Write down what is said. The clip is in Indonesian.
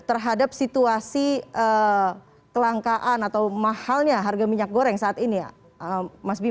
terhadap situasi kelangkaan atau mahalnya harga minyak goreng saat ini ya mas bima